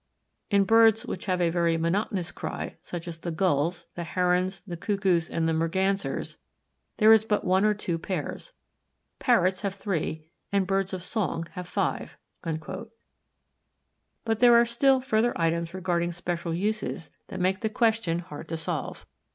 In birds which have a very monotonous cry, such as the Gulls, the Herons, the Cuckoos, and the Mergansers, there is but one or two pairs; Parrots have three; and birds of song have five." But there are still further items regarding special uses that make the question hard to solve.